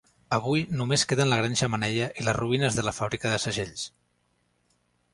Avui, només queden la gran xemeneia i les ruïnes de la fàbrica de segells.